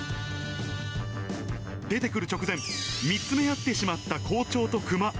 出てくる直前、見つめ合ってしまった校長とクマ。